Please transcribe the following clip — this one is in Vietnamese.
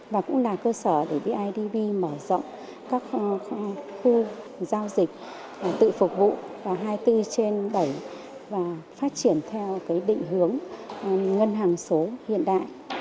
và cũng là cơ sở để bidv mở rộng các khu giao dịch tự phục vụ vào hai mươi bốn trên bảy và phát triển theo định hướng ngân hàng số hiện đại